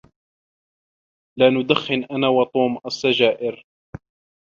لا ندخن أنا وتوم السجائر.